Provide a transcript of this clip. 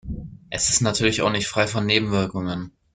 Es ist natürlich auch nicht frei von Nebenwirkungen.